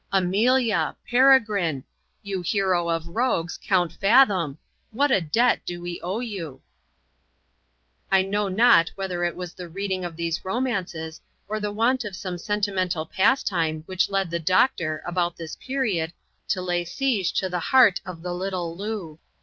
Amelia !— Peregrine !— you hero of rogues, Count Fathom ,— what a debt do we owe you ? I know not whether it was the reading of these romances^ or the want of some sentimental pastime which led the doctor, about this period, to lay siege to the heart of the little Loo.